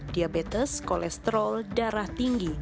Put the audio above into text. diabetes kolesterol darah tinggi